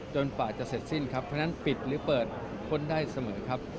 กว่าจะเสร็จสิ้นครับเพราะฉะนั้นปิดหรือเปิดพ้นได้เสมอครับ